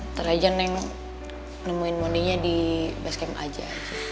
ntar aja neng nemuin mondinya di base camp aja